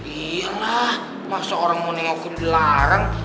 iya lah masa orang mau ninggalkan dilarang